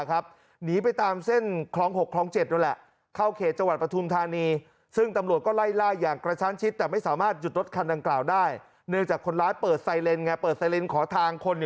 ครับหนีไปตามเส้นคร้องหกคร้องเจ็ดนู่นแหละ